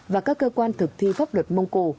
và các cơ quan thực thi pháp luật mông cổ